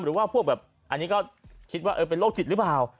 หรือว่าพวกแบบอันนี้ก็คิดว่าเป็นโรคจิตหรือเปล่า